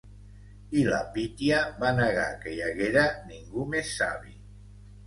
I la Pítia va negar que hi haguera ningú més savi.